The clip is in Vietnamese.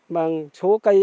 bằng số cây